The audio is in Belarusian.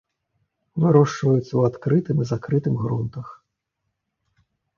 Вырошчваюцца ў адкрытым і закрытым грунтах.